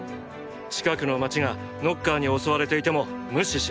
近くの街がノッカーに襲われていても無視しろ。